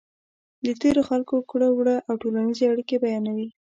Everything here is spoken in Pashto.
د تېرو خلکو کړو وړه او ټولنیزې اړیکې بیانوي.